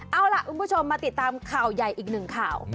เอาล่ะคุณผู้ชมมาติดตามข่าวใหญ่อีกหนึ่งข่าว